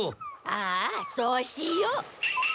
ああそうしよう。